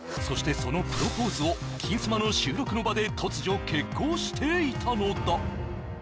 そしてそのプロポーズを「金スマ」の収録の場で突如決行していたのだ